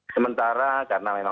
sementara karena memang